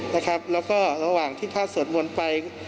แล้วก็ระหว่างที่ท่านสวดมนต์ไป